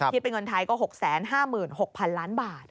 เป็นเงินไทยก็๖๕๖๐๐๐ล้านบาท